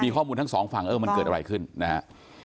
มีข้อมูลทั้งทีสองฝั่งมันเกิดอะไรขึ้นนะฮะเนี่ย